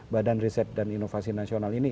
badan riset dan inovasi nasional ini